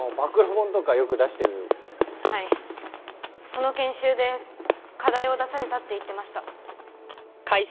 その研修で課題を出されたって言ってました。